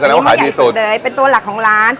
ใช้มันหายดีสุดเลยเป็นตัวหลักของร้านนะผม